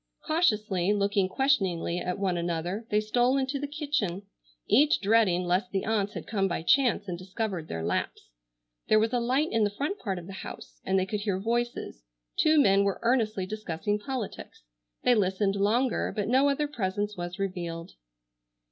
Cautiously, looking questioningly at one another, they stole into the kitchen, each dreading lest the aunts had come by chance and discovered their lapse. There was a light in the front part of the house and they could hear voices, two men were earnestly discussing politics. They listened longer, but no other presence was revealed.